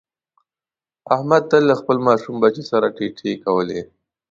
احمد تل له خپل ماشوم بچي سره تی تی کوي.